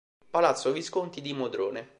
Palazzo Visconti di Modrone